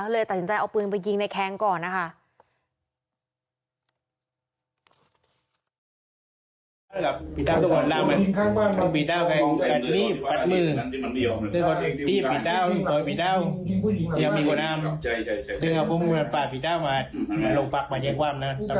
เลยตัดสินใจเอาปืนไปยิงในแคงก่อนนะคะ